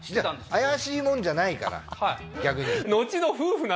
怪しい者じゃないから逆に。